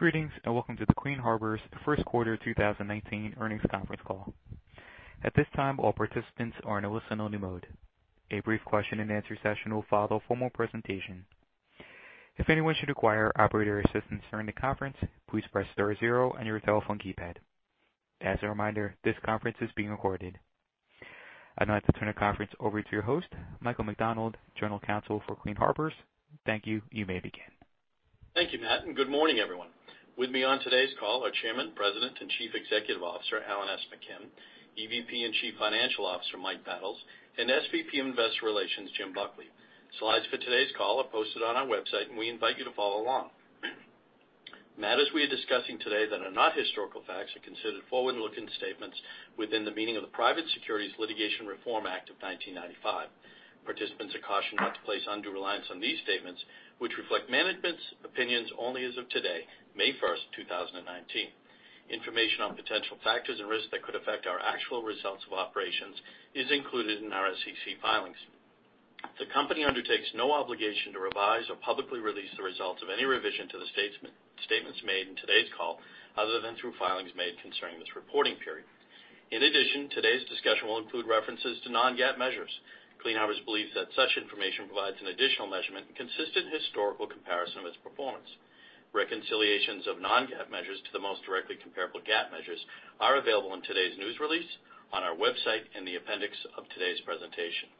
Greetings, welcome to the Clean Harbors first quarter 2019 earnings conference call. At this time, all participants are in a listen-only mode. A brief question and answer session will follow formal presentation. If anyone should require operator assistance during the conference, please press star zero on your telephone keypad. As a reminder, this conference is being recorded. I'd now like to turn the conference over to your host, Michael McDonald, General Counsel for Clean Harbors. Thank you. You may begin. Thank you, Mike, good morning, everyone. With me on today's call are Chairman, President, and Chief Executive Officer, Alan S. McKim, EVP and Chief Financial Officer, Mike Battles, and SVP Investor Relations, Jim Buckley. Slides for today's call are posted on our website, and we invite you to follow along. Matters we are discussing today that are not historical facts are considered forward-looking statements within the meaning of the Private Securities Litigation Reform Act of 1995. Participants are cautioned not to place undue reliance on these statements, which reflect management's opinions only as of today, May 1st, 2019. Information on potential factors and risks that could affect our actual results of operations is included in our SEC filings. The company undertakes no obligation to revise or publicly release the results of any revision to the statements made in today's call, other than through filings made concerning this reporting period. In addition, today's discussion will include references to non-GAAP measures. Clean Harbors believes that such information provides an additional measurement and consistent historical comparison of its performance. Reconciliations of non-GAAP measures to the most directly comparable GAAP measures are available in today's news release, on our website, and the appendix of today's presentation.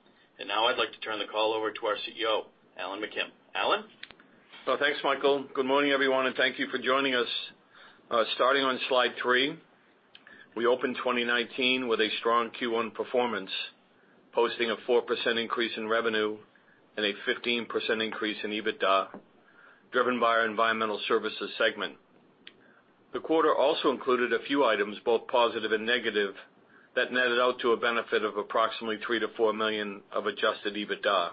Now I'd like to turn the call over to our CEO, Alan McKim. Alan? Thanks, Michael. Good morning, everyone, thank you for joining us. Starting on slide three, we opened 2019 with a strong Q1 performance, posting a 4% increase in revenue and a 15% increase in EBITDA, driven by our environmental services segment. The quarter also included a few items, both positive and negative, that netted out to a benefit of approximately $3 million-$4 million of adjusted EBITDA.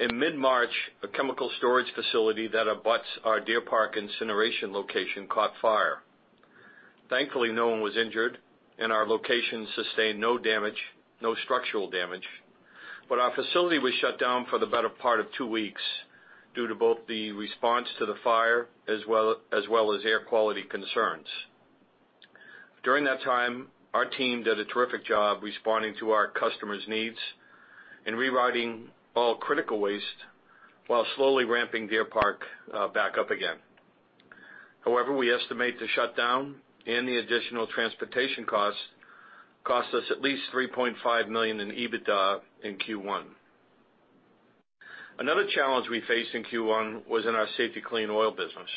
In mid-March, a chemical storage facility that abuts our Deer Park incineration location caught fire. Thankfully, no one was injured, and our location sustained no structural damage, but our facility was shut down for the better part of two weeks due to both the response to the fire as well as air quality concerns. During that time, our team did a terrific job responding to our customers' needs and rerouting all critical waste while slowly ramping Deer Park back up again. However, we estimate the shutdown and the additional transportation costs cost us at least $3.5 million in EBITDA in Q1. Another challenge we faced in Q1 was in our Safety-Kleen Oil business.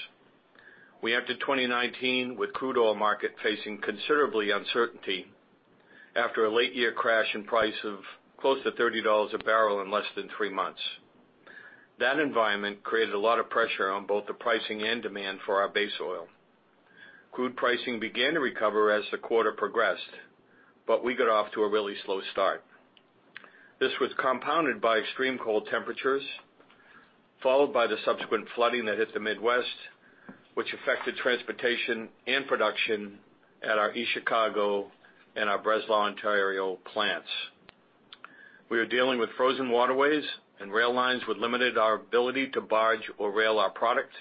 We entered 2019 with crude oil market facing considerable uncertainty after a late year crash in price of close to $30 a barrel in less than three months. That environment created a lot of pressure on both the pricing and demand for our base oil. Crude pricing began to recover as the quarter progressed, but we got off to a really slow start. This was compounded by extreme cold temperatures, followed by the subsequent flooding that hit the Midwest, which affected transportation and production at our East Chicago and our Breslau, Ontario plants. We were dealing with frozen waterways and rail lines which limited our ability to barge or rail our product,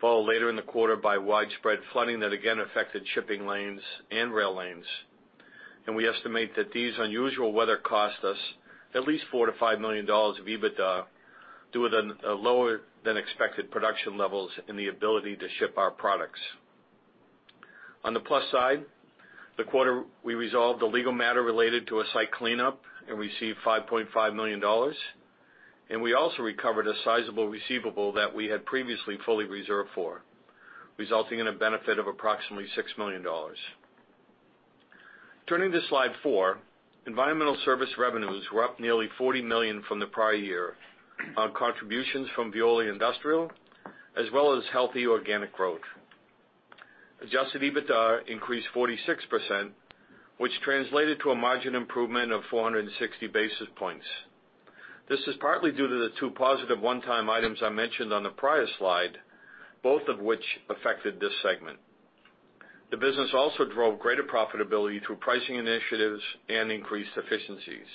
followed later in the quarter by widespread flooding that again affected shipping lanes and rail lanes. We estimate that these unusual weather cost us at least $4 million-$5 million of EBITDA due to the lower than expected production levels and the ability to ship our products. On the plus side, the quarter, we resolved a legal matter related to a site cleanup and received $5.5 million. We also recovered a sizable receivable that we had previously fully reserved for, resulting in a benefit of approximately $6 million. Turning to slide four, environmental service revenues were up nearly $40 million from the prior year on contributions from Veolia Industrial, as well as healthy organic growth. Adjusted EBITDA increased 46%, which translated to a margin improvement of 460 basis points. This is partly due to the two positive one-time items I mentioned on the prior slide, both of which affected this segment. The business also drove greater profitability through pricing initiatives and increased efficiencies.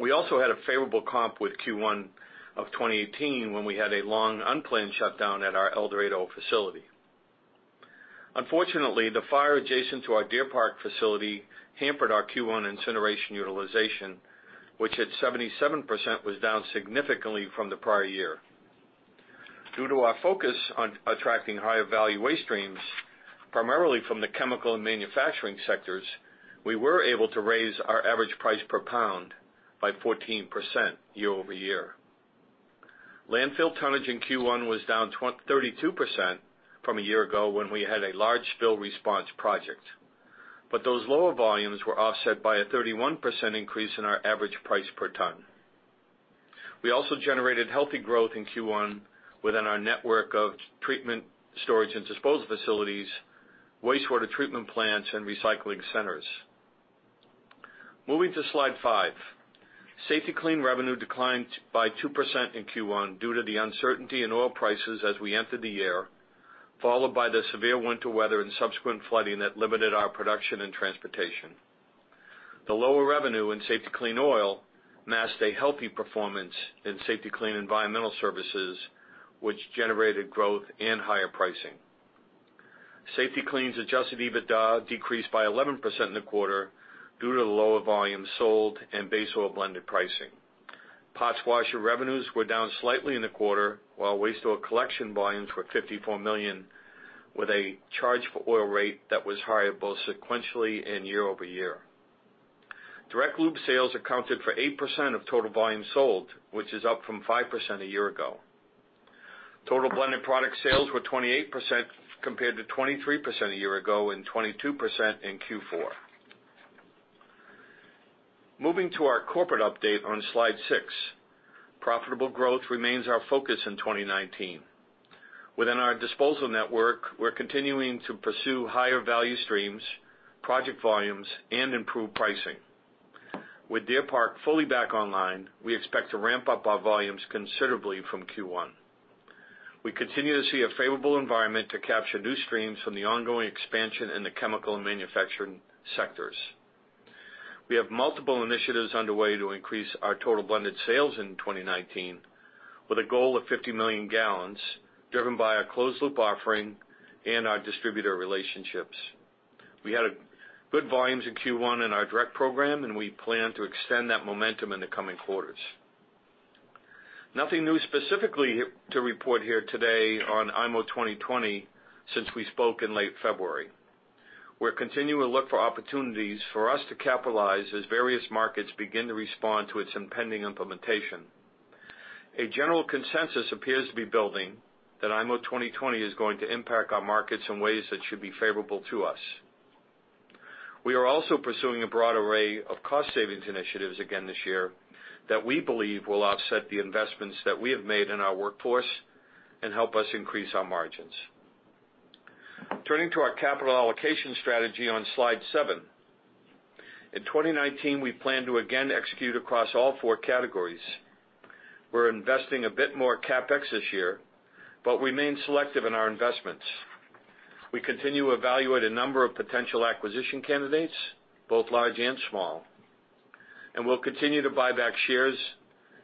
We also had a favorable comp with Q1 of 2018, when we had a long, unplanned shutdown at our El Dorado facility. Unfortunately, the fire adjacent to our Deer Park facility hampered our Q1 incineration utilization, which at 77%, was down significantly from the prior year. Due to our focus on attracting higher value waste streams, primarily from the chemical and manufacturing sectors, we were able to raise our average price per pound by 14% year-over-year. Landfill tonnage in Q1 was down 32% from a year ago when we had a large spill response project. Those lower volumes were offset by a 31% increase in our average price per ton. We also generated healthy growth in Q1 within our network of treatment, storage, and disposal facilities, wastewater treatment plants, and recycling centers. Moving to slide five. Safety-Kleen revenue declined by 2% in Q1 due to the uncertainty in oil prices as we entered the year, followed by the severe winter weather and subsequent flooding that limited our production and transportation. The lower revenue in Safety-Kleen Oil masked a healthy performance in Safety-Kleen Environmental Services, which generated growth and higher pricing. Safety-Kleen's adjusted EBITDA decreased by 11% in the quarter due to the lower volume sold and base oil blended pricing. Parts washer revenues were down slightly in the quarter, while waste oil collection volumes were $54 million, with a charge-for-oil rate that was higher both sequentially and year-over-year. Direct loop sales accounted for 8% of total volume sold, which is up from 5% a year ago. Total blended product sales were 28% compared to 23% a year ago and 22% in Q4. Moving to our corporate update on Slide six. Profitable growth remains our focus in 2019. Within our disposal network, we're continuing to pursue higher value streams, project volumes, and improved pricing. With Deer Park fully back online, we expect to ramp up our volumes considerably from Q1. We continue to see a favorable environment to capture new streams from the ongoing expansion in the chemical and manufacturing sectors. We have multiple initiatives underway to increase our total blended sales in 2019 with a goal of 50 million gallons, driven by our closed loop offering and our distributor relationships. We had good volumes in Q1 in our direct program. We plan to extend that momentum in the coming quarters. Nothing new specifically to report here today on IMO 2020, since we spoke in late February. We're continuing to look for opportunities for us to capitalize as various markets begin to respond to its impending implementation. A general consensus appears to be building that IMO 2020 is going to impact our markets in ways that should be favorable to us. We are also pursuing a broad array of cost savings initiatives again this year that we believe will offset the investments that we have made in our workforce and help us increase our margins. Turning to our capital allocation strategy on Slide seven. In 2019, we plan to again execute across all four categories. We're investing a bit more CapEx this year. We remain selective in our investments. We continue to evaluate a number of potential acquisition candidates, both large and small. We'll continue to buy back shares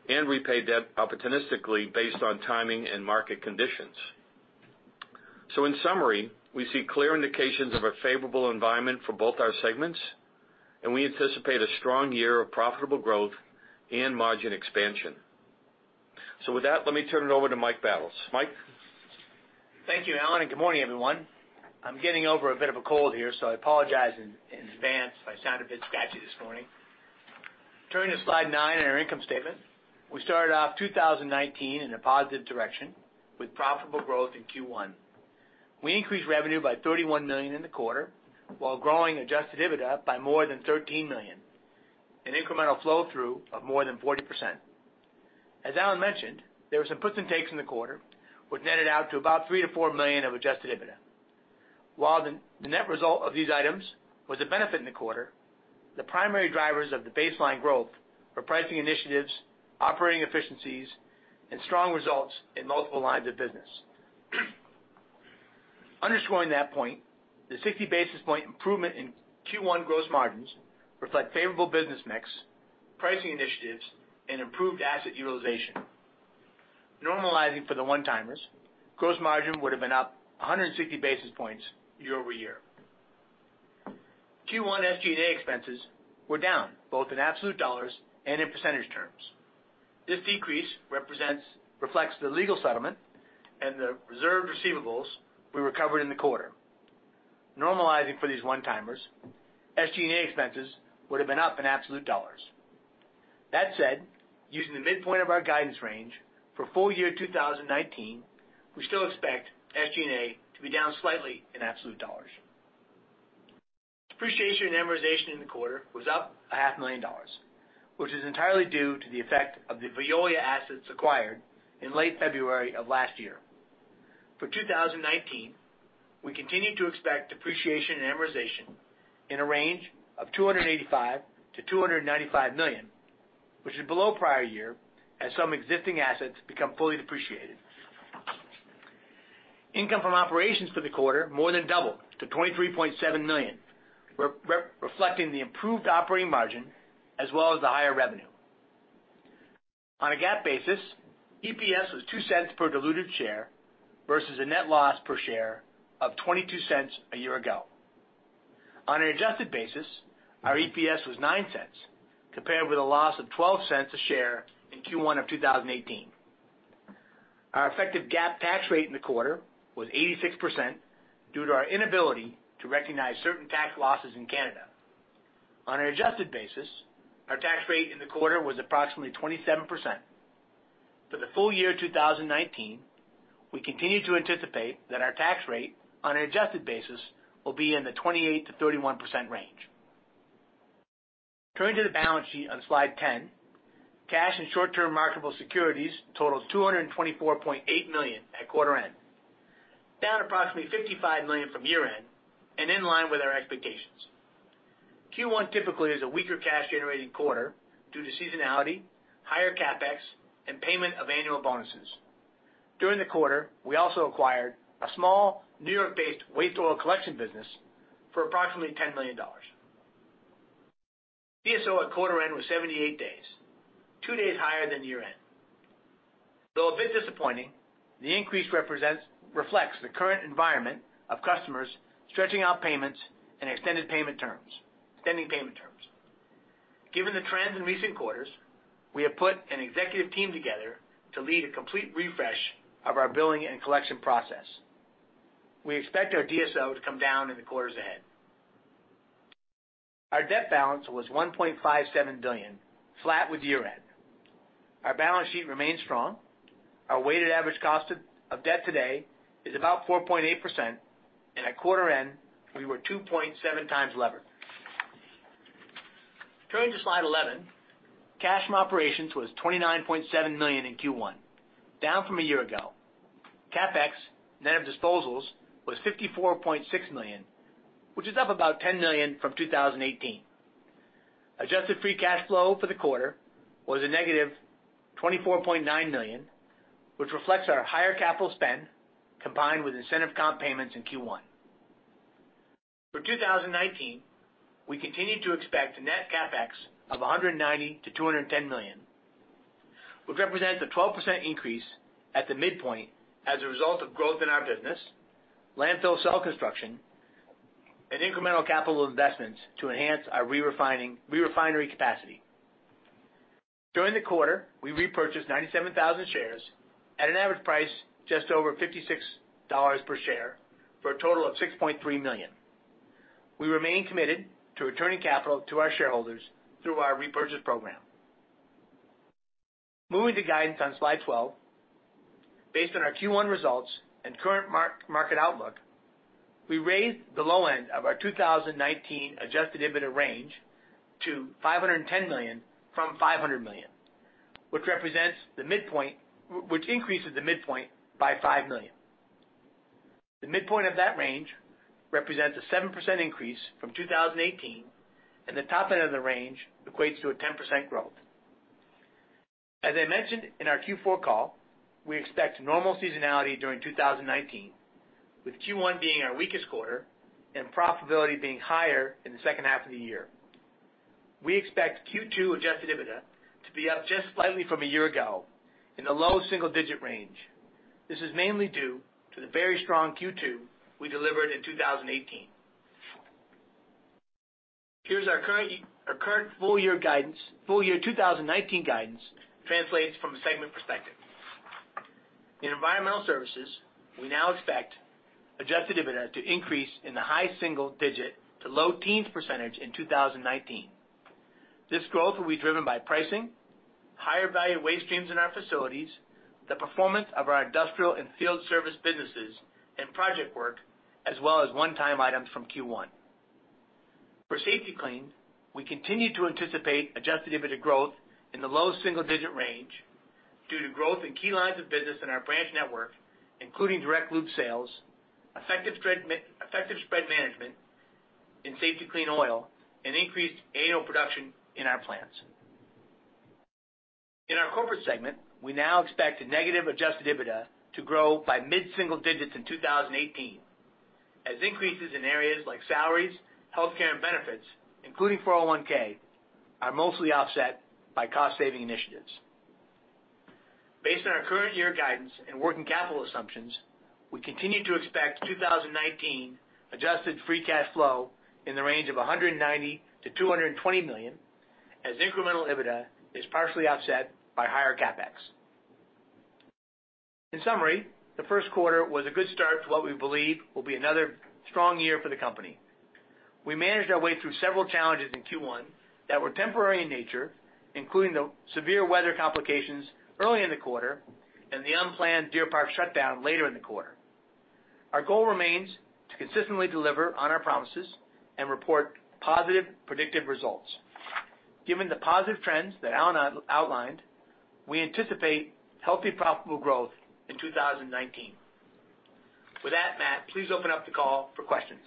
and repay debt opportunistically based on timing and market conditions. In summary, we see clear indications of a favorable environment for both our segments. We anticipate a strong year of profitable growth and margin expansion. With that, let me turn it over to Mike Battles. Mike? Thank you, Alan. Good morning, everyone. I'm getting over a bit of a cold here, so I apologize in advance if I sound a bit scratchy this morning. Turning to Slide nine on our income statement. We started off 2019 in a positive direction with profitable growth in Q1. We increased revenue by $31 million in the quarter while growing adjusted EBITDA by more than $13 million, an incremental flow-through of more than 40%. As Alan mentioned, there were some puts and takes in the quarter, which netted out to about $3 million-$4 million of adjusted EBITDA. While the net result of these items was a benefit in the quarter, the primary drivers of the baseline growth are pricing initiatives, operating efficiencies, and strong results in multiple lines of business. Underscoring that point, the 60 basis point improvement in Q1 gross margins reflect favorable business mix, pricing initiatives, and improved asset utilization. Normalizing for the one-timers, gross margin would've been up 160 basis points year-over-year. Q1 SG&A expenses were down, both in absolute dollars and in percentage terms. This decrease reflects the legal settlement and the reserved receivables we recovered in the quarter. Normalizing for these one-timers, SG&A expenses would've been up in absolute dollars. That said, using the midpoint of our guidance range for full year 2019, we still expect SG&A to be down slightly in absolute dollars. Depreciation and amortization in the quarter was up a half million dollars, which is entirely due to the effect of the Veolia assets acquired in late February of last year. For 2019, we continue to expect depreciation and amortization in a range of $285 million-$295 million, which is below prior year as some existing assets become fully depreciated. Income from operations for the quarter more than doubled to $23.7 million, reflecting the improved operating margin as well as the higher revenue. On a GAAP basis, EPS was $0.02 per diluted share versus a net loss per share of $0.22 a year ago. On an adjusted basis, our EPS was $0.09, compared with a loss of $0.12 a share in Q1 of 2018. Our effective GAAP tax rate in the quarter was 86% due to our inability to recognize certain tax losses in Canada. On an adjusted basis, our tax rate in the quarter was approximately 27%. For the full year 2019, we continue to anticipate that our tax rate on an adjusted basis will be in the 28%-31% range. Turning to the balance sheet on Slide 10. Cash and short-term marketable securities totals $224.8 million at quarter end, down approximately $55 million from year-end and in line with our expectations. Q1 typically is a weaker cash-generating quarter due to seasonality, higher CapEx, and payment of annual bonuses. During the quarter, we also acquired a small New York-based waste oil collection business for approximately $10 million. DSO at quarter end was 78 days, two days higher than year-end. Though a bit disappointing, the increase reflects the current environment of customers stretching out payments and extending payment terms. Given the trends in recent quarters, we have put an executive team together to lead a complete refresh of our billing and collection process. We expect our DSO to come down in the quarters ahead. Our debt balance was $1.57 billion, flat with year-end. Our balance sheet remains strong. Our weighted average cost of debt today is about 4.8%, and at quarter end, we were 2.7 times levered. Turning to slide 11. Cash from operations was $29.7 million in Q1, down from a year ago. CapEx net of disposals was $54.6 million, which is up about $10 million from 2018. Adjusted free cash flow for the quarter was a negative $24.9 million, which reflects our higher capital spend, combined with incentive comp payments in Q1. For 2019, we continue to expect net CapEx of $190 million-$210 million, which represents a 12% increase at the midpoint as a result of growth in our business, landfill cell construction, and incremental capital investments to enhance our re-refinery capacity. During the quarter, we repurchased 97,000 shares at an average price just over $56 per share for a total of $6.3 million. We remain committed to returning capital to our shareholders through our repurchase program. Moving to guidance on slide 12. Based on our Q1 results and current market outlook, we raised the low end of our 2019 adjusted EBITDA range to $510 million from $500 million, which increases the midpoint by $5 million. The midpoint of that range represents a 7% increase from 2018, and the top end of the range equates to a 10% growth. As I mentioned in our Q4 call, we expect normal seasonality during 2019, with Q1 being our weakest quarter and profitability being higher in the second half of the year. We expect Q2 adjusted EBITDA to be up just slightly from a year ago in the low single-digit range. This is mainly due to the very strong Q2 we delivered in 2018. Here's our current full year 2019 guidance translates from a segment perspective. In environmental services, we now expect adjusted EBITDA to increase in the high single digit to low teens percentage in 2019. This growth will be driven by pricing, higher value waste streams in our facilities, the performance of our industrial and field service businesses, and project work, as well as one-time items from Q1. For Safety-Kleen, we continue to anticipate adjusted EBITDA growth in the low single-digit range due to growth in key lines of business in our branch network, including direct loop sales, effective spread management in Safety-Kleen Oil, and increased A&O production in our plants. In our corporate segment, we now expect negative adjusted EBITDA to grow by mid-single digits in 2018, as increases in areas like salaries, healthcare, and benefits, including 401(k), are mostly offset by cost-saving initiatives. Based on our current year guidance and working capital assumptions, we continue to expect 2019 adjusted free cash flow in the range of $190 million-$220 million, as incremental EBITDA is partially offset by higher CapEx. In summary, the first quarter was a good start to what we believe will be another strong year for the company. We managed our way through several challenges in Q1 that were temporary in nature, including the severe weather complications early in the quarter and the unplanned Deer Park shutdown later in the quarter. Our goal remains to consistently deliver on our promises and report positive, predictive results. Given the positive trends that Alan outlined, we anticipate healthy, profitable growth in 2019. With that, Mike, please open up the call for questions.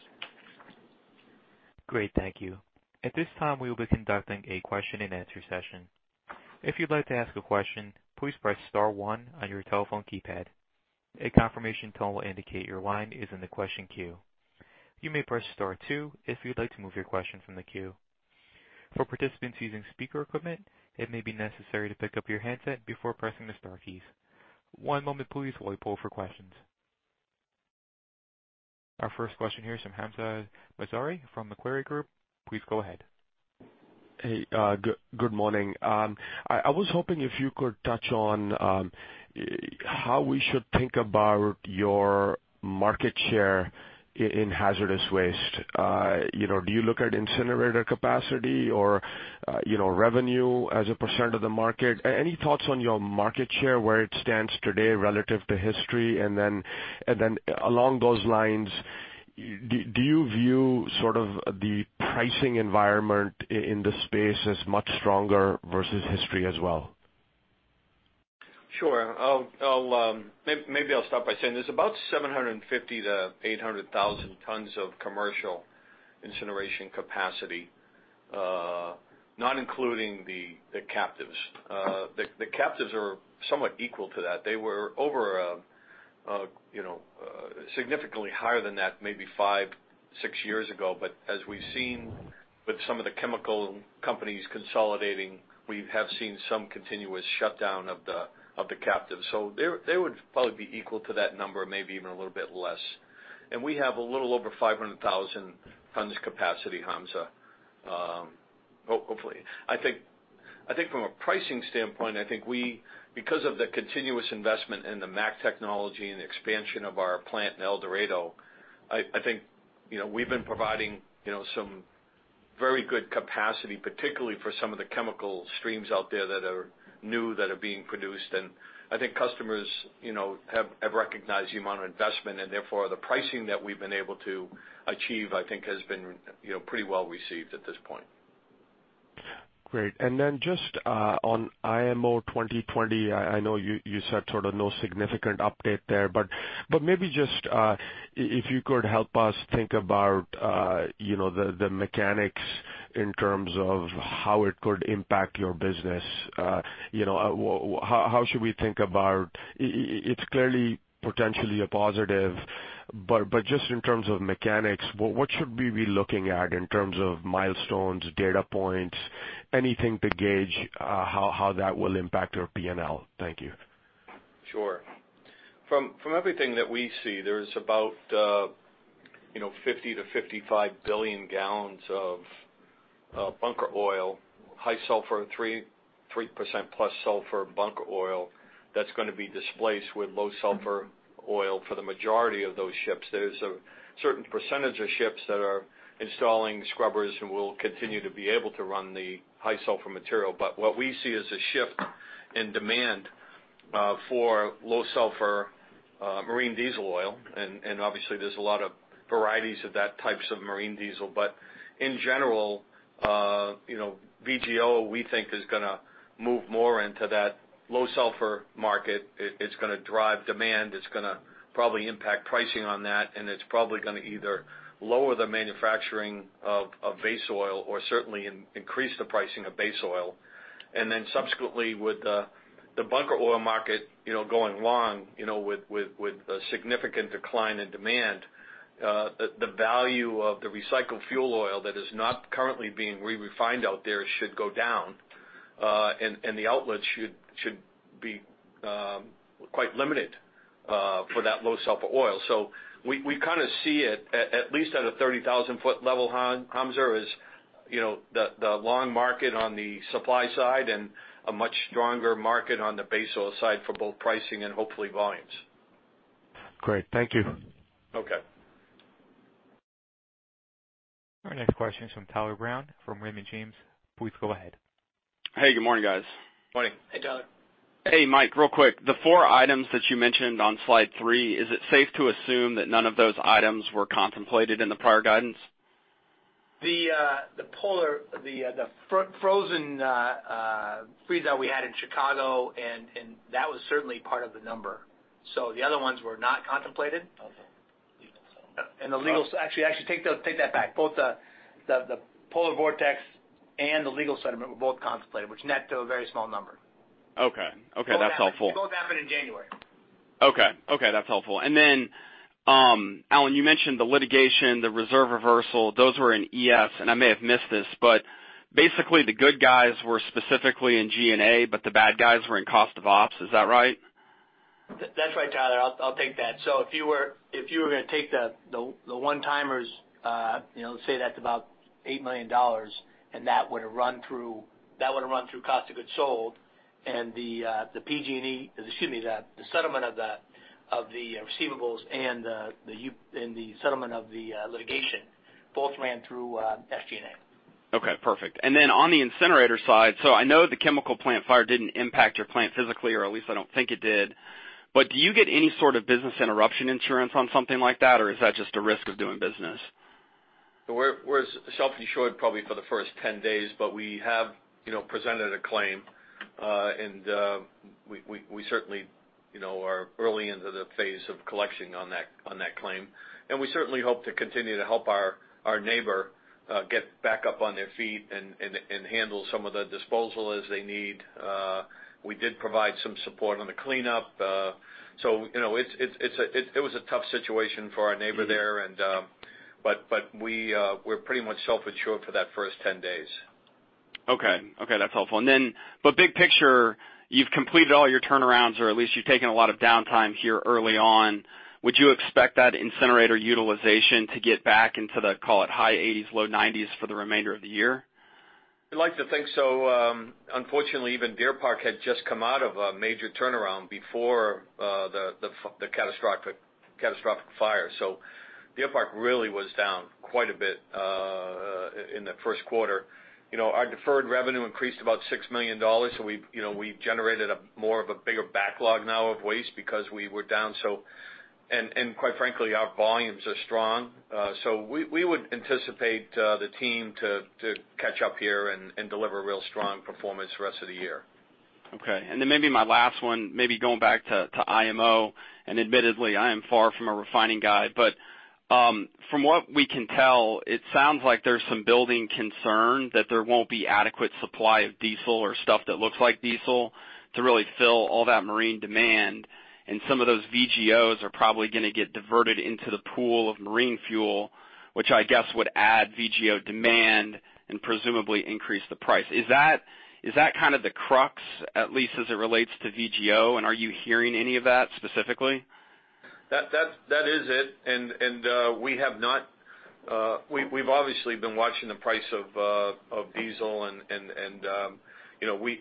Great, thank you. At this time, we will be conducting a question and answer session. If you'd like to ask a question, please press *1 on your telephone keypad. A confirmation tone will indicate your line is in the question queue. You may press *2 if you'd like to move your question from the queue. For participants using speaker equipment, it may be necessary to pick up your handset before pressing the star keys. One moment please while we poll for questions. Our first question here is from Hamzah Mazari from Macquarie Group. Please go ahead. Hey, good morning. I was hoping if you could touch on how we should think about your market share in hazardous waste. Do you look at incinerator capacity or revenue as a % of the market? Any thoughts on your market share, where it stands today relative to history? Along those lines, do you view the pricing environment in the space as much stronger versus history as well? Sure. Maybe I'll start by saying there's about 750,000 to 800,000 tons of commercial Incineration capacity, not including the captives. The captives are somewhat equal to that. They were over significantly higher than that maybe five, six years ago. As we've seen with some of the chemical companies consolidating, we have seen some continuous shutdown of the captive. They would probably be equal to that number, maybe even a little bit less. We have a little over 500,000 tons capacity, Hamza. Hopefully. I think from a pricing standpoint, I think because of the continuous investment in the MACT technology and the expansion of our plant in El Dorado, I think, we've been providing some very good capacity, particularly for some of the chemical streams out there that are new, that are being produced. I think customers have recognized the amount of investment and therefore the pricing that we've been able to achieve, I think has been pretty well received at this point. Great. Then just on IMO 2020, I know you said sort of no significant update there, but maybe just if you could help us think about the mechanics in terms of how it could impact your business. How should we think about It's clearly potentially a positive, but just in terms of mechanics, what should we be looking at in terms of milestones, data points, anything to gauge how that will impact your P&L? Thank you. Sure. From everything that we see, there's about 50 billion-55 billion gallons of bunker oil, high sulfur, 3%+ sulfur bunker oil, that's going to be displaced with low sulfur oil for the majority of those ships. There's a certain percentage of ships that are installing scrubbers and will continue to be able to run the high sulfur material. What we see is a shift in demand for low sulfur marine diesel oil, and obviously there's a lot of varieties of that types of marine diesel. In general, VGO, we think, is going to move more into that low sulfur market. It's going to drive demand. It's going to probably impact pricing on that, and it's probably going to either lower the manufacturing of base oil or certainly increase the pricing of base oil. Then subsequently with the bunker oil market going long, with a significant decline in demand, the value of the recycled fuel oil that is not currently being re-refined out there should go down, and the outlet should be quite limited for that low sulfur oil. We kind of see it at least at a 30,000-foot level, Hamza, as the long market on the supply side and a much stronger market on the base oil side for both pricing and hopefully volumes. Great. Thank you. Okay. Our next question is from Tyler Brown from Raymond James. Please go ahead. Hey, good morning, guys. Morning. Hey, Tyler. Hey, Mike, real quick, the four items that you mentioned on slide three, is it safe to assume that none of those items were contemplated in the prior guidance? The polar, the frozen freeze that we had in Chicago, that was certainly part of the number. The other ones were not contemplated. Okay. Actually, I take that back. Both the polar vortex and the legal settlement were both contemplated, which net to a very small number. Okay. That's helpful. They both happened in January. Okay. That's helpful. Then, Alan, you mentioned the litigation, the reserve reversal. Those were in ES, and I may have missed this, but basically the good guys were specifically in G&A, but the bad guys were in cost of ops. Is that right? That's right, Tyler. I'll take that. If you were going to take the one-timers, let's say that's about $8 million, and that would have run through cost of goods sold and the PG&E, excuse me, the settlement of the receivables and the settlement of the litigation both ran through SG&A. Okay, perfect. Then on the incinerator side, so I know the chemical plant fire didn't impact your plant physically, or at least I don't think it did, but do you get any sort of business interruption insurance on something like that, or is that just a risk of doing business? We're self-insured probably for the first 10 days, but we have presented a claim. We certainly are early into the phase of collection on that claim. We certainly hope to continue to help our neighbor get back up on their feet and handle some of the disposal as they need. We did provide some support on the cleanup. It was a tough situation for our neighbor there. We're pretty much self-insured for that first 10 days. Okay. That's helpful. Big picture, you've completed all your turnarounds, or at least you've taken a lot of downtime here early on. Would you expect that incinerator utilization to get back into the, call it, high 80s, low 90s for the remainder of the year? We'd like to think so. Unfortunately, even Deer Park had just come out of a major turnaround before the catastrophic fire. Deer Park really was down quite a bit in the first quarter. Our deferred revenue increased about $6 million. We've generated more of a bigger backlog now of waste because we were down so. Quite frankly, our volumes are strong. We would anticipate the team to catch up here and deliver real strong performance the rest of the year. Okay. Then maybe my last one, maybe going back to IMO, admittedly, I am far from a refining guy, but from what we can tell, it sounds like there's some building concern that there won't be adequate supply of diesel or stuff that looks like diesel to really fill all that marine demand. Some of those VGOs are probably going to get diverted into the pool of marine fuel, which I guess would add VGO demand and presumably increase the price. Is that the crux, at least as it relates to VGO? Are you hearing any of that specifically? That is it. We've obviously been watching the price of diesel, and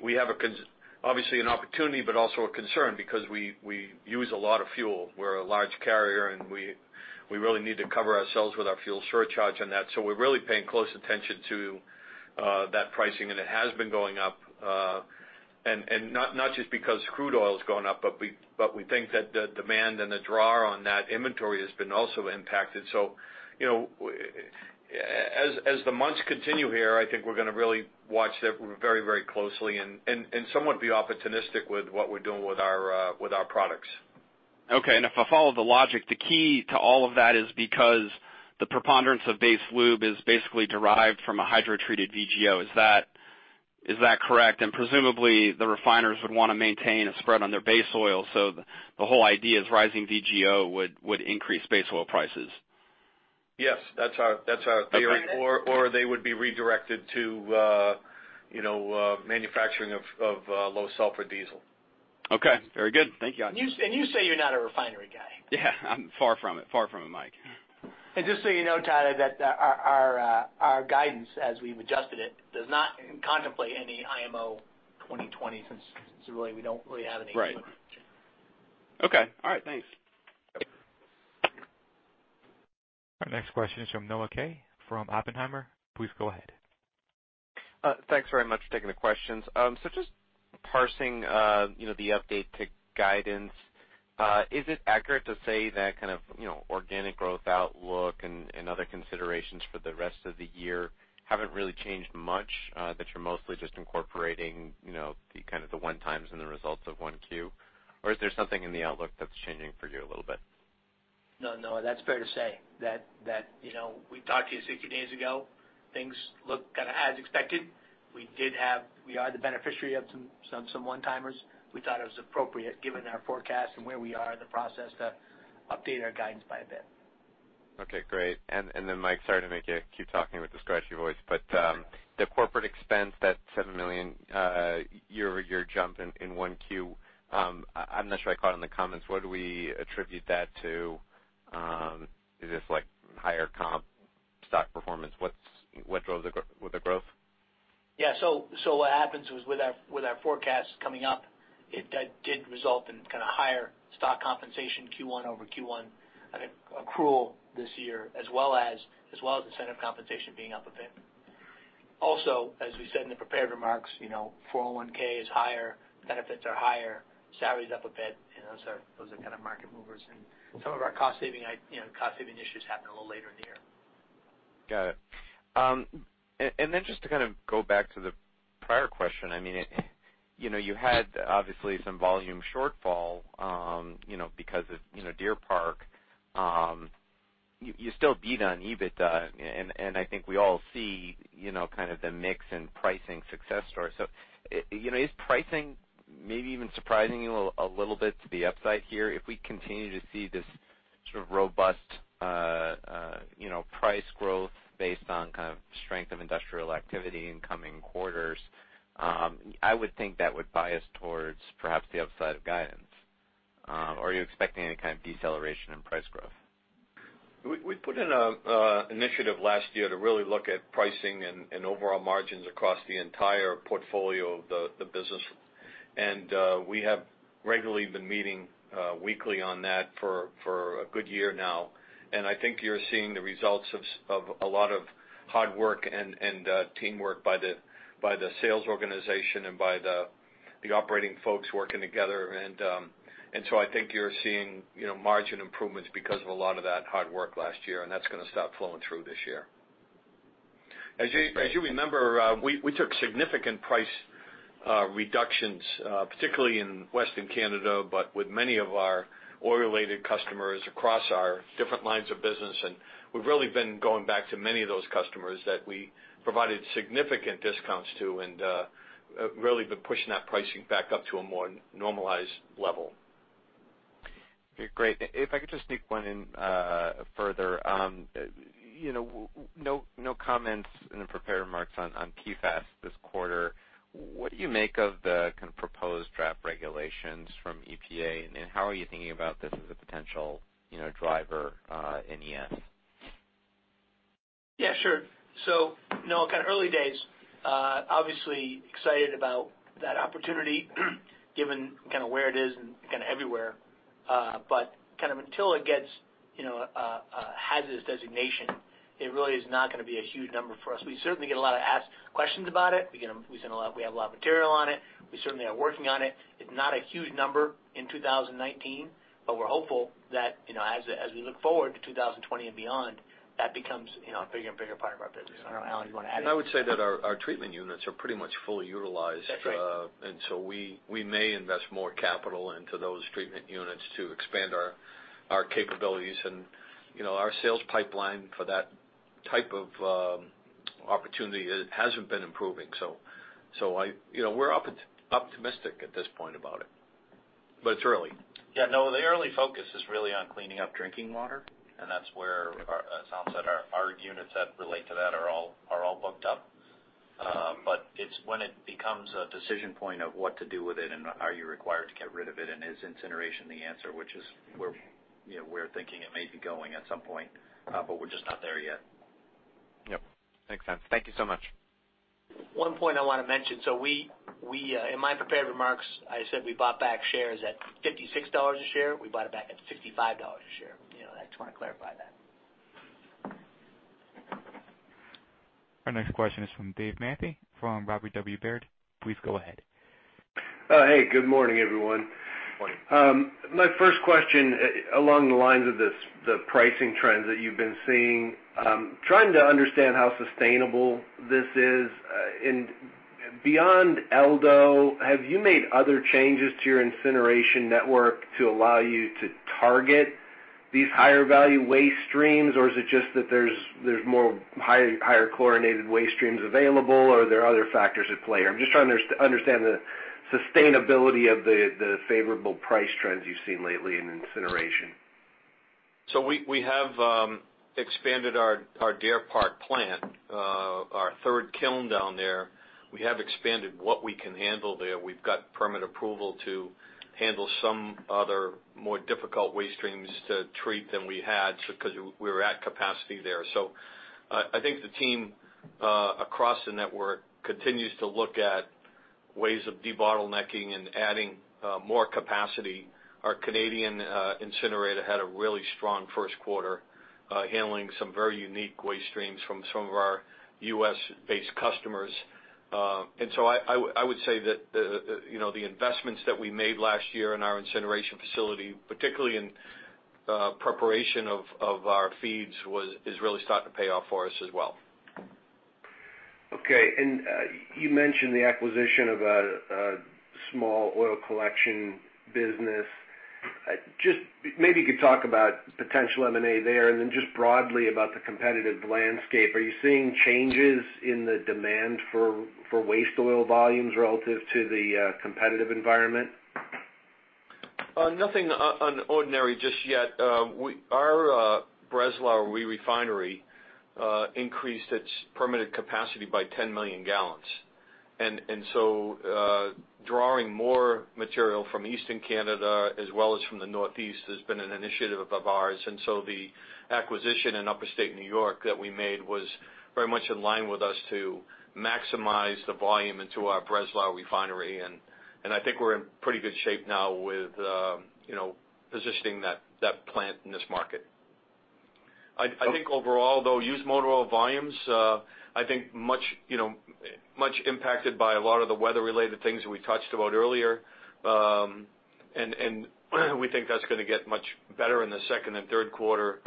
we have obviously an opportunity, but also a concern because we use a lot of fuel. We're a large carrier, and we really need to cover ourselves with our fuel surcharge on that. We're really paying close attention to that pricing, and it has been going up. Not just because crude oil's gone up, but we think that the demand and the draw on that inventory has been also impacted. As the months continue here, I think we're going to really watch that very closely and somewhat be opportunistic with what we're doing with our products. Okay. If I follow the logic, the key to all of that is because the preponderance of base lube is basically derived from a hydrotreated VGO. Is that correct? Presumably, the refiners would want to maintain a spread on their base oil. The whole idea is rising VGO would increase base oil prices. Yes. That's our theory. Okay. They would be redirected to manufacturing of low sulfur diesel. Okay. Very good. Thank you. You say you're not a refinery guy. Yeah. I'm far from it, Mike. Just so you know, Tyler, that our guidance, as we've adjusted it, does not contemplate any IMO 2020 since we don't really have any. Right. Okay. All right. Thanks. Yep. Our next question is from Noah Kaye, from Oppenheimer. Please go ahead. Thanks very much for taking the questions. Just parsing the update to guidance. Is it accurate to say that kind of organic growth outlook and other considerations for the rest of the year haven't really changed much, that you're mostly just incorporating the kind of the one-timers and the results of 1Q? Or is there something in the outlook that's changing for you a little bit? No, that's fair to say. We talked to you 60 days ago. Things look kind of as expected. We are the beneficiary of some one-timers. We thought it was appropriate given our forecast and where we are in the process to update our guidance by a bit. Okay, great. Mike, sorry to make you keep talking with the scratchy voice, but the corporate expense, that $7 million year-over-year jump in 1Q, I'm not sure I caught in the comments, what do we attribute that to? Is this like higher comp stock performance? What drove the growth? Yeah. What happens was with our forecast coming up, it did result in kind of higher stock compensation Q1 over Q1 accrual this year, as well as incentive compensation being up a bit. Also, as we said in the prepared remarks, 401(k) is higher, benefits are higher, salary's up a bit. Those are kind of market movers. Some of our cost saving issues happen a little later in the year. Got it. Just to kind of go back to the prior question. You had obviously some volume shortfall because of Deer Park. You still beat on EBITDA, and I think we all see kind of the mix in pricing success story. Is pricing maybe even surprising you a little bit to the upside here? If we continue to see this sort of robust price growth based on kind of strength of industrial activity in coming quarters, I would think that would bias towards perhaps the upside of guidance. Are you expecting any kind of deceleration in price growth? We put in an initiative last year to really look at pricing and overall margins across the entire portfolio of the business. We have regularly been meeting weekly on that for a good year now. I think you're seeing the results of a lot of hard work and teamwork by the sales organization and by the operating folks working together. I think you're seeing margin improvements because of a lot of that hard work last year, and that's going to start flowing through this year. As you remember, we took significant price reductions, particularly in Western Canada, but with many of our oil-related customers across our different lines of business. We've really been going back to many of those customers that we provided significant discounts to and really been pushing that pricing back up to a more normalized level. Great. If I could just sneak one in further. No comments in the prepared remarks on PFAS this quarter. What do you make of the kind of proposed draft regulations from EPA, and how are you thinking about this as a potential driver in ES? Yeah, sure. Noah, kind of early days. Obviously excited about that opportunity given kind of where it is and kind of everywhere. Until it gets this designation, it really is not going to be a huge number for us. We certainly get a lot of questions about it. We have a lot of material on it. We certainly are working on it. It's not a huge number in 2019, we're hopeful that, as we look forward to 2020 and beyond, that becomes a bigger and bigger part of our business. I don't know, Alan, you want to add anything? I would say that our treatment units are pretty much fully utilized. That's right. We may invest more capital into those treatment units to expand our capabilities and our sales pipeline for that type of opportunity hasn't been improving. We're optimistic at this point about it, but it's early. Yeah, no, the early focus is really on cleaning up drinking water, that's where, as Alan said, our units that relate to that are all booked up. It's when it becomes a decision point of what to do with it and are you required to get rid of it, is incineration the answer, which is where we're thinking it may be going at some point. We're just not there yet. Yep, makes sense. Thank you so much. One point I want to mention. In my prepared remarks, I said we bought back shares at $56 a share. We bought it back at $55 a share. I just want to clarify that. Our next question is from David Manthey from Robert W. Baird. Please go ahead. Hey, good morning, everyone. Morning. My first question, along the lines of the pricing trends that you've been seeing, trying to understand how sustainable this is. Beyond El Dorado, have you made other changes to your incineration network to allow you to target these higher value waste streams? Is it just that there's more higher chlorinated waste streams available, are there other factors at play? I'm just trying to understand the sustainability of the favorable price trends you've seen lately in incineration. We have expanded our Deer Park plant, our third kiln down there. We have expanded what we can handle there. We've got permit approval to handle some other more difficult waste streams to treat than we had because we were at capacity there. I think the team, across the network, continues to look at ways of de-bottlenecking and adding more capacity. Our Canadian incinerator had a really strong first quarter, handling some very unique waste streams from some of our U.S.-based customers. I would say that the investments that we made last year in our incineration facility, particularly in preparation of our feeds, is really starting to pay off for us as well. Okay. You mentioned the acquisition of a small oil collection business. Maybe you could talk about potential M&A there, then just broadly about the competitive landscape. Are you seeing changes in the demand for waste oil volumes relative to the competitive environment? Nothing ordinary just yet. Our Breslau refinery increased its permitted capacity by 10 million gallons. Drawing more material from Eastern Canada as well as from the Northeast has been an initiative of ours. The acquisition in Upstate New York that we made was very much in line with us to maximize the volume into our Breslau refinery. I think we're in pretty good shape now with positioning that plant in this market. Overall, though, used motor oil volumes, much impacted by a lot of the weather related things that we touched about earlier. We think that's going to get much better in the second and third quarter.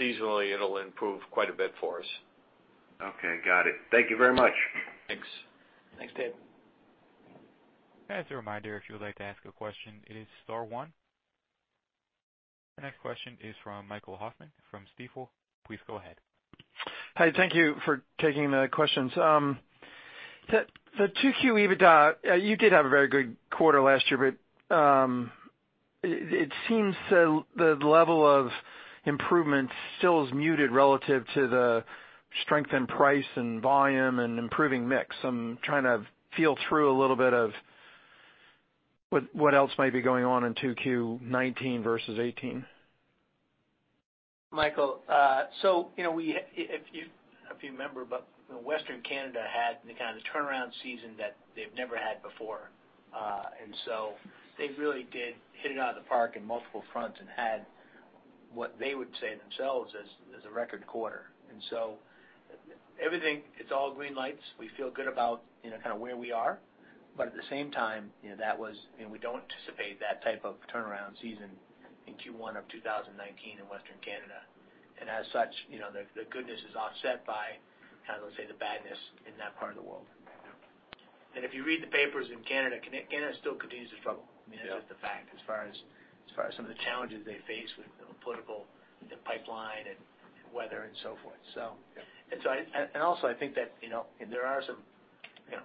Seasonally, it'll improve quite a bit for us. Okay, got it. Thank you very much. Thanks. Thanks, Dave. As a reminder, if you would like to ask a question, it is star one. The next question is from Michael Hoffman from Stifel. Please go ahead. Hi, thank you for taking the questions. The 2Q EBITDA, you did have a very good quarter last year, but it seems the level of improvement still is muted relative to the strength in price and volume and improving mix. I am trying to feel through a little bit of what else might be going on in 2Q 2019 versus 2018. Michael, if you remember, Western Canada had the kind of turnaround season that they've never had before. They really did hit it out of the park in multiple fronts and had what they would say themselves as a record quarter. Everything, it's all green lights. We feel good about where we are. At the same time, we don't anticipate that type of turnaround season in Q1 of 2019 in Western Canada. As such, the goodness is offset by, let's say, the badness in that part of the world. If you read the papers in Canada still continues to struggle. That's just a fact, as far as some of the challenges they face with political, the pipeline and weather and so forth. Also, I think that there are some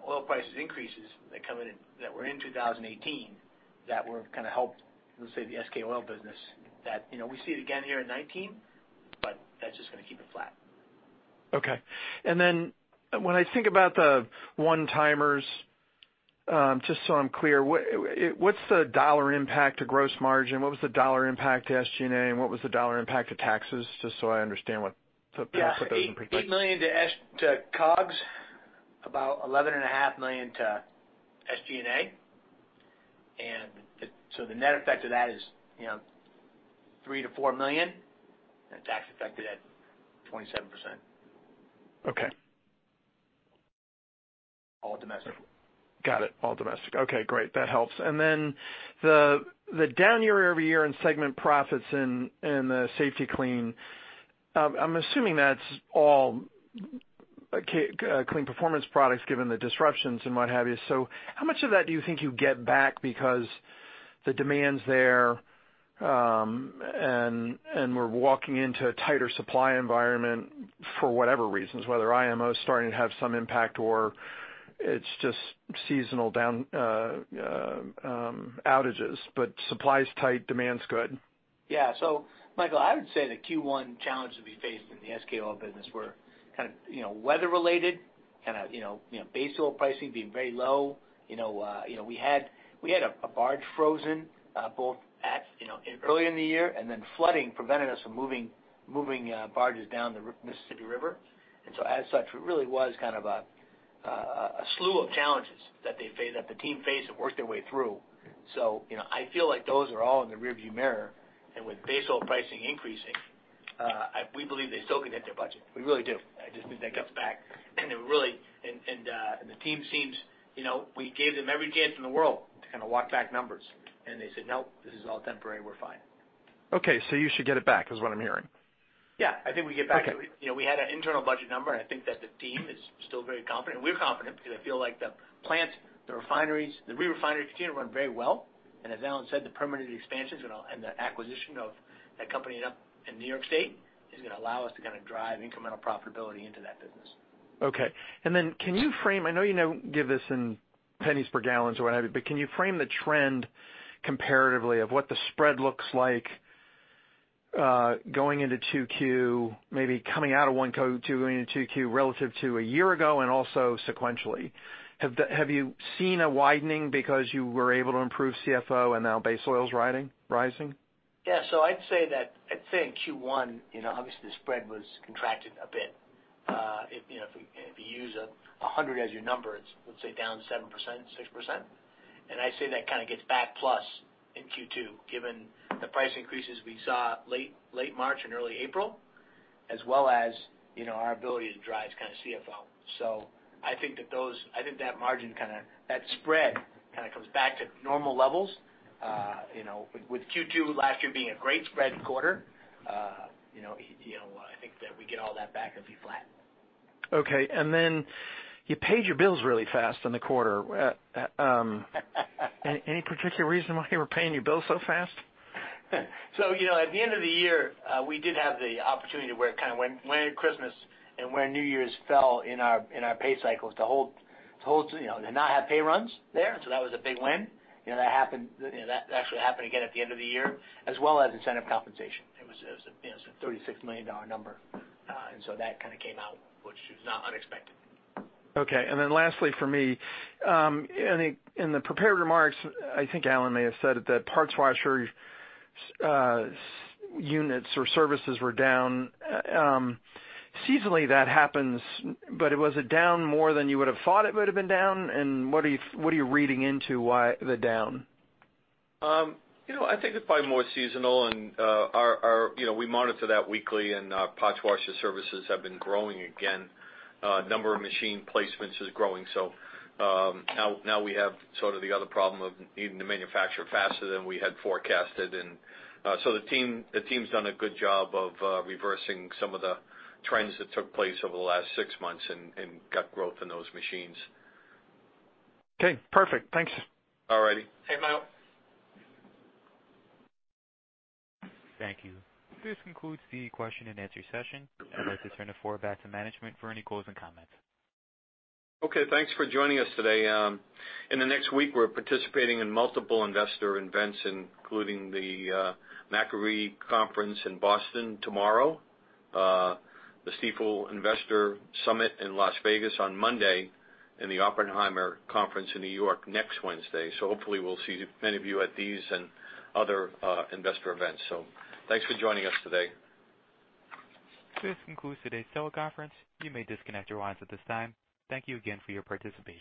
oil prices increases that were in 2018 that would kind of help, let's say, the SK Oil business that we see it again here in 2019, but that's just going to keep it flat. Okay. Then when I think about the one-timers, just so I'm clear, what's the dollar impact to gross margin? What was the dollar impact to SG&A, and what was the dollar impact to taxes? Just so I understand. $8 million to COGS, about $11.5 million to SG&A. The net effect of that is $3 million-$4 million, and tax affected at 27%. Okay. All domestic. Got it. All domestic. Okay, great. That helps. Then the down year-over-year in segment profits in the Safety-Kleen, I'm assuming that's all Clean Performance products, given the disruptions and what have you. How much of that do you think you'll get back because the demand's there, and we're walking into a tighter supply environment for whatever reasons, whether IMO is starting to have some impact or it's just seasonal down outages, but supply is tight, demand's good. Michael, I would say the Q1 challenge that we faced in the SKO business were kind of weather related, base oil pricing being very low. We had a barge frozen both earlier in the year, then flooding prevented us from moving barges down the Mississippi River. As such, it really was kind of a slew of challenges that the team faced and worked their way through. I feel like those are all in the rearview mirror. With base oil pricing increasing, we believe they still can hit their budget. We really do. I just think that comes back. We gave them every chance in the world to kind of walk back numbers, and they said, "Nope, this is all temporary. We're fine. Okay. You should get it back is what I'm hearing. Yeah, I think we get back to it. Okay. We had an internal budget number. I think that the team is still very confident. We're confident because I feel like the plant, the refineries, the re-refinery continue to run very well. As Alan said, the permanent expansions and the acquisition of that company up in New York State is going to allow us to drive incremental profitability into that business. Okay. Can you frame, I know you don't give this in $0.01 per gallon or what have you, but can you frame the trend comparatively of what the spread looks like going into 2Q, maybe coming out of 1Q, going into 2Q relative to a year ago and also sequentially? Have you seen a widening because you were able to improve charge-for-oil and now base oil is rising? Yeah. I'd say that in Q1, obviously the spread was contracted a bit. If you use 100 as your number, it's, let's say down 7%, 6%. I'd say that kind of gets back plus in Q2, given the price increases we saw late March and early April, as well as our ability to drive charge-for-oil. I think that margin, that spread kind of comes back to normal levels. With Q2 last year being a great spread quarter, I think that we get all that back, it'll be flat. Okay. You paid your bills really fast in the quarter. Any particular reason why you were paying your bills so fast? At the end of the year, we did have the opportunity where it kind of went when Christmas and when New Year's fell in our pay cycles to not have pay runs there. That was a big win. That actually happened again at the end of the year, as well as incentive compensation. It was a $36 million number. That kind of came out, which is not unexpected. Okay. Lastly for me, in the prepared remarks, I think Alan may have said it, that parts washer units or services were down. Seasonally that happens, was it down more than you would've thought it would've been down? What are you reading into why the down? I think it's probably more seasonal, we monitor that weekly and our parts washer services have been growing again. Number of machine placements is growing. Now we have sort of the other problem of needing to manufacture faster than we had forecasted. The team's done a good job of reversing some of the trends that took place over the last six months and got growth in those machines. Okay, perfect. Thanks. All righty. Hey, Michael. Thank you. This concludes the question and answer session. I'd like to turn the floor back to management for any closing comments. Okay, thanks for joining us today. In the next week, we're participating in multiple investor events, including the Macquarie Conference in Boston tomorrow, the Stifel Investor Summit in Las Vegas on Monday, and the Oppenheimer Conference in New York next Wednesday. Hopefully we'll see many of you at these and other investor events. Thanks for joining us today. This concludes today's teleconference. You may disconnect your lines at this time. Thank you again for your participation.